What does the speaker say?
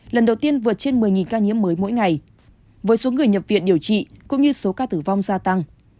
lần đầu tiên vượt trên một mươi ca nhiễm mới mỗi ngày với số người nhập viện điều trị cũng như số ca tử vong gia tăng